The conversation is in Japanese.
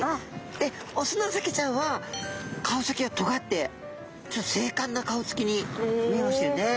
でオスのサケちゃんは顔先がとがってちょっと精かんな顔つきに見えますよね。